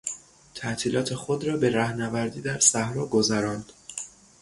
تعطیلات خود را به رهنوردی در صحرا گذراند.